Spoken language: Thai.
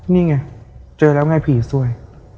นี่ไงเจอแล้วไงผีสวย